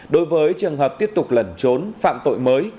đối với trường hợp tiếp tục lẩn trốn phạm tội mới